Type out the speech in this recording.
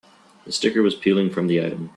The sticker was peeling from the item.